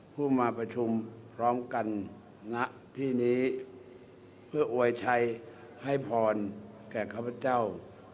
ผู้มาประชุมพร้อมกันณที่นี้เพื่ออวยชัยให้พรแก่ข้าพเจ้า